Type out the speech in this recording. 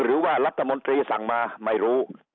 หรือว่ารัฐมนตรีสั่งมาไม่รู้